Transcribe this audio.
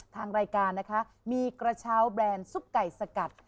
ทางรายการนะคะมีกระเช้าแบรนด์ซุปไก่สกัด